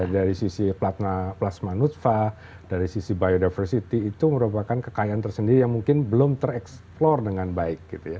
dari sisi plasma nutfa dari sisi biodiversity itu merupakan kekayaan tersendiri yang mungkin belum tereksplor dengan baik